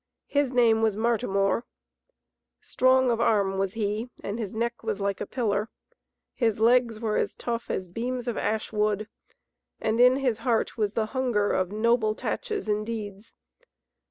His name was Martimor. Strong of arm was he, and his neck was like a pillar. His legs were as tough as beams of ash wood, and in his heart was the hunger of noble tatches and deeds.